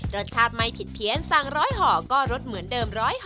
รสชาติไม่ผิดเพี้ยนสั่ง๑๐๐ห่อก็รสเหมือนเดิม๑๖๐